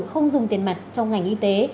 không dùng tiền mặt trong ngành y tế